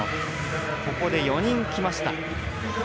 ここで４人きました。